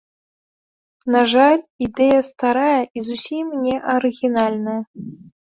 На жаль, ідэя старая і зусім не арыгінальная.